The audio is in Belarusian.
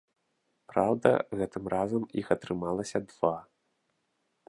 Праўда, гэтым разам іх атрымалася два.